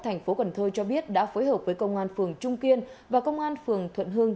thành phố cần thơ cho biết đã phối hợp với công an phường trung kiên và công an phường thuận hưng